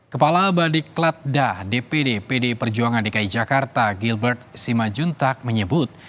kepala badik kletda dpd pdi perjuangan dki jakarta gilbert simajuntak menyebut